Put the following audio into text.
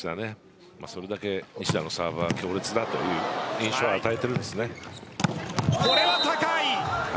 それだけ西田のサーブは強烈だという印象をこれは高い。